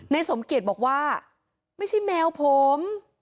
สมเกียจบอกว่าไม่ใช่แมวผม